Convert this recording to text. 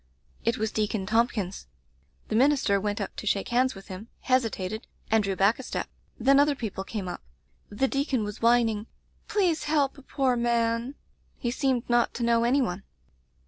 "It was Deacon Thompkins. The min ister went up to shake hands with him, hesitated, and drew back a step. Then other people came up. The deacon was whining — 'Please help a poor man!* He seemed not to know any one.